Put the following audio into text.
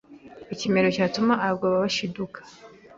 ikimero cyatuma abagabo bashiduka.